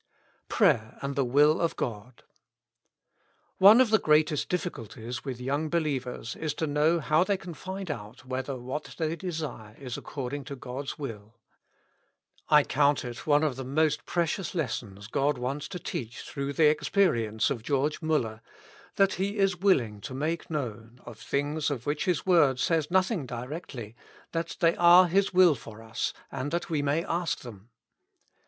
Prayer and thk Wii,i, of God. One of the greatest difficulties with young believers is to know how they can find out whether what they desire is accord ing to God's will. I count it one of the most precious lessons God wants to teach through the experience of George MuUer, that He is willing to make known, of things of which His word says nothing directly, that they are His will for us, and that we may ask them.